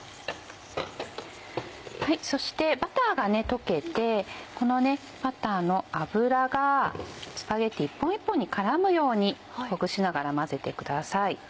そしてバターが溶けてこのバターの脂がスパゲティ一本一本に絡むようにほぐしながら混ぜてください。